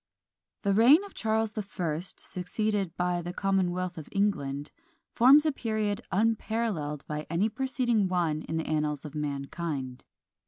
The reign of Charles the First, succeeded by the Commonwealth of England, forms a period unparalleled by any preceding one in the annals of mankind.